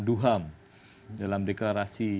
duham dalam deklarasi